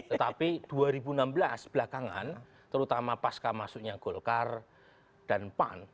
tetapi dua ribu enam belas belakangan terutama pasca masuknya golkar dan pan